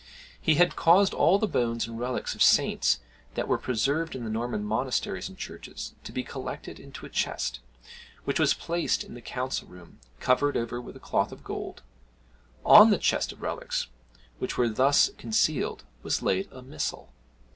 He had caused all the bones and relics of saints, that were preserved in the Norman monasteries and churches, to be collected into a chest, which was placed in the council room, covered over with a cloth of gold. On the chest of relics, which were thus concealed, was laid a missal.